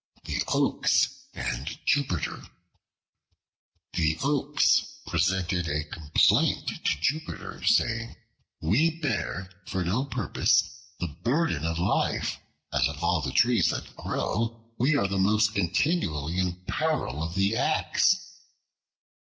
The Oaks and Jupiter THE OAKS presented a complaint to Jupiter, saying, "We bear for no purpose the burden of life, as of all the trees that grow we are the most continually in peril of the axe."